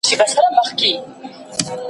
د ملا درد لپاره سم کښېناستل مهم دي.